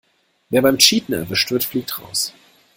Wer beim Cheaten erwischt wird, fliegt raus.